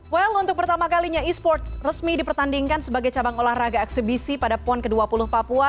well untuk pertama kalinya e sports resmi dipertandingkan sebagai cabang olahraga eksebisi pada pon ke dua puluh papua